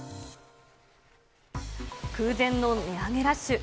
空前の値上げラッシュ。